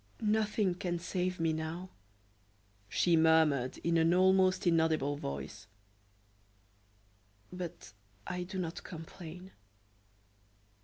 "Nothing can save me now," she murmured, in an almost inaudible voice; "but I do not complain.